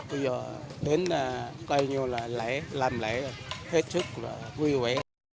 bây giờ đến coi như là lễ làm lễ hết sức là vui vẻ